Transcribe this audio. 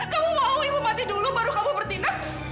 kamu mau ibu mati dulu baru kamu bertindak